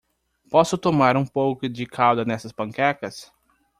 Posso tomar um pouco de calda nessas panquecas?